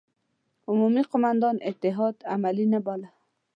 عمومي قوماندان اتحاد عملي نه باله.